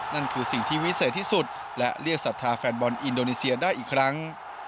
นั่นคือสิ่งที่วิเศษที่สุดและเรียกศรัทธาแฟนบอลอินโดนีเซียได้อีกครั้ง